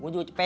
bu ju cipe